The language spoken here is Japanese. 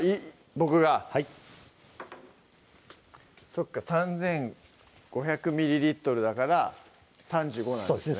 僕がはいそっか３５００ミリリットルだから３５なんですね